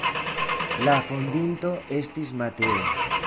La fondinto estis Mateo.